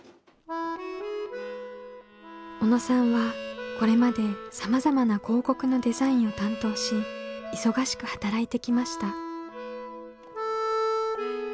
小野さんはこれまでさまざまな広告のデザインを担当し忙しく働いてきました。